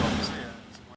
jadi sangat bagus sekali